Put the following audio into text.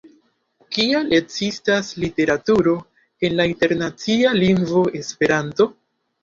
Kial ekzistas literaturo en la internacia lingvo Esperanto?